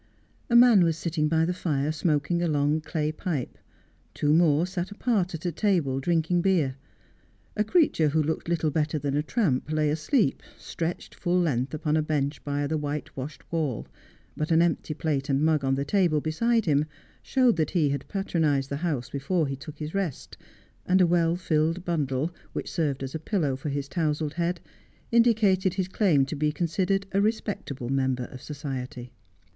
A man was sitting by the fire smoking a long clay pipe. Two more sat apart at a table drinking beer. A creature who looked little better than a tramp lay asleep, stretched full length upon a bench by the white washed wall, but an empty plate and mug on the table beside him showed that he had patronized the house before he took his rest, and a well filled bundle, which served as a pillow for his touzled head, indicated his claim to be considered a respectable member of society.